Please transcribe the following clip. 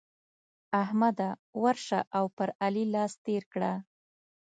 احمده! ورشه او پر علي لاس تېر کړه.